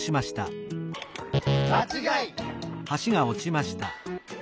「まちがい！」。